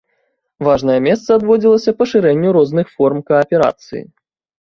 Важнае месца адводзілася пашырэнню розных форм кааперацыі.